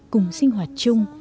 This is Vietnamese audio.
cùng sinh hoạt chung